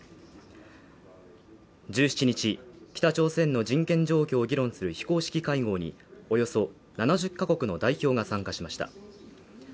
１７日、北朝鮮の人権状況を議論する非公式会合におよそ７０カ国の代表が参加しました。